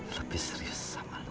lebih serius sama lo